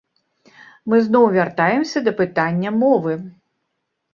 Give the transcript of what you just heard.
Мы зноў вяртаемся да пытання мовы.